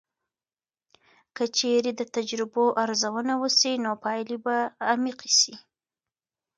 که چیرې د تجربو ارزونه وسي، نو پایلې به عمیقې سي.